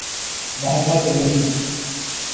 محمد نعیم